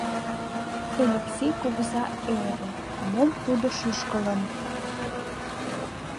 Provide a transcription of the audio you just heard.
Элексей кугыза ӧрӧ, мом тудо шӱшкылын.